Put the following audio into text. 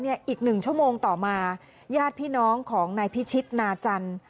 อีก๑ชั่วโมงต่อมาญาติพี่น้องของนายพิชิตนาจันทร์